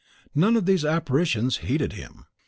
None of these apparitions heeded him.